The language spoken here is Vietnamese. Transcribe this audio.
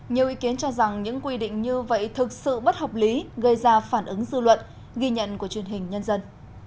nhiều ý kiến cho rằng những quy định như vậy thực sự bất hợp lý gây ra phản ứng dư luận ghi nhận của truyền hình nhân dân